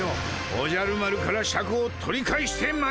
おじゃる丸からシャクを取り返してまいるのじゃ。